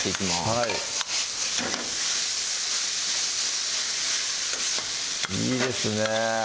はいいいですね